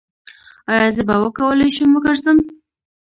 ایا زه به وکولی شم وګرځم؟